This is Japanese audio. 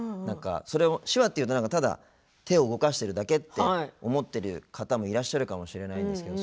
手話っていうとただ手を動かしてるだけって思ってる方もいらっしゃるかもしれないんですけど